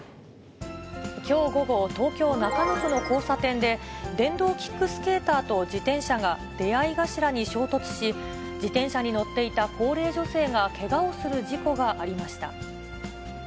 きょう午後、東京・中野区の交差点で、電動キックスケーターと自転車が出会い頭に衝突し、自転車に乗っていた高齢女性がけがをする事故がありました。